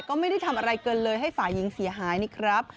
ก็ไม่ได้ทำอะไรเกินเลยให้ฝ่ายหญิงเสียหายนี่ครับ